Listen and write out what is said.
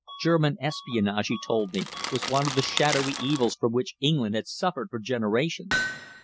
German espionage, he told me, was one of the shadowy evils from which England had suffered for generations.